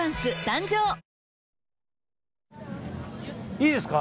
いいですか？